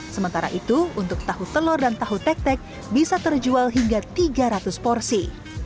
sementara itu untuk tahu telur dan tahu tek tek bisa terjual hingga tiga ratus porsi